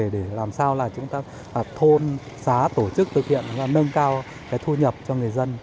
để làm sao là chúng ta thôn xá tổ chức thực hiện và nâng cao cái thu nhập cho người dân